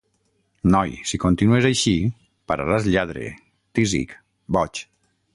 Noi, si continues així, pararàs lladre, tísic, boig.